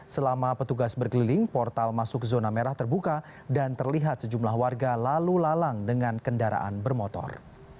selama petugas berkeliling portal masuk zona merah terbuka dan terlihat sejumlah warga lalu lalang dengan kendaraan bermotor